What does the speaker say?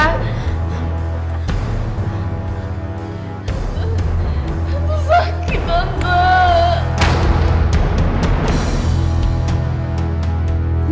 tante sakit tante